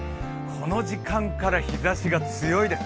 この時間から日ざしが強いです。